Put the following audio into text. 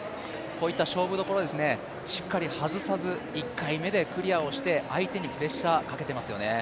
こういった勝負どころはしっかり外さず１回目でクリアをして相手にプレッシャーをかけてますよね。